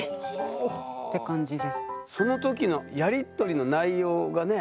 その時のやり取りの内容がね。